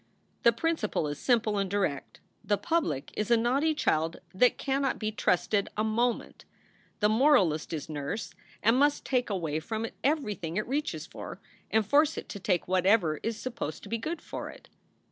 The principle is simple and direct; the public is a naughty child that cannot be trusted a mo SOULS FOR SALE 91 ment; the moralist is nurse and must take away from it everything it reaches for, and force it to take whatever is supposed to be good for it.